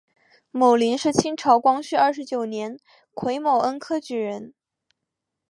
牟琳是清朝光绪二十九年癸卯恩科举人。